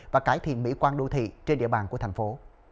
và cải thiện mỹ quan đô thị trên địa bàn của thành phố